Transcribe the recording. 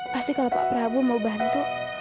pasti kalau pak prabowo mau bantu